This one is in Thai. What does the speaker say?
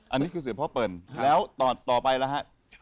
อันนี้คือเสือพ่อเปิลแล้วต่อไปล่ะฮะ